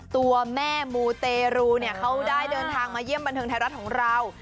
ตัวแม่มูเตรูเนี่ยเขาได้เดินทางมาเยี่ยมบันเทิงไทยรัฐของเรา